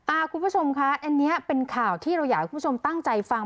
คุณผู้ชมคะอันนี้เป็นข่าวที่เราอยากให้คุณผู้ชมตั้งใจฟัง